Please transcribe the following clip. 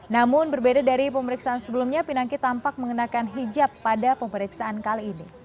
namun berbeda dari pemeriksaan sebelumnya pinangki tampak mengenakan hijab pada pemeriksaan kali ini